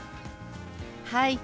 はい。